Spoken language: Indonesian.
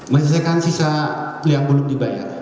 menyelesaikan sisa yang belum dibayar